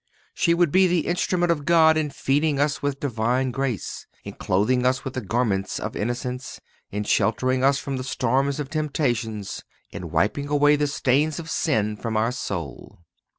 She would be the instrument of God in feeding us with Divine grace, in clothing us with the garments of innocence, in sheltering us from the storms of temptations, in wiping away the stains of sin from our soul.